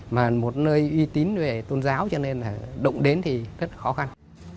mà một nơi uy tín về tôn giáo cho nên là đụng đến thì rất là khó khăn